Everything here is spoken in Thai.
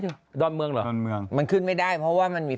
ดอนเมืองเหรอดอนเมืองมันขึ้นไม่ได้เพราะว่ามันมี